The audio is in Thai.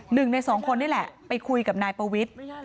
หนึ่งในสองคนนี่แหละไปคุยกับนายปวิทย์